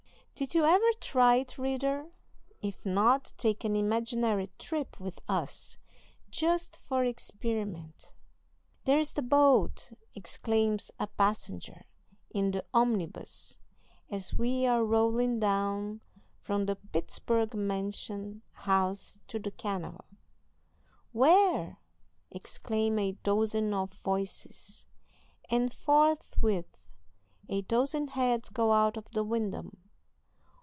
Did you ever try it, reader? If not, take an imaginary trip with us, just for experiment. "There's the boat!" exclaims a passenger in the omnibus, as we are rolling down from the Pittsburg Mansion House to the canal. "Where?" exclaim a dozen of voices, and forthwith a dozen heads go out of the window.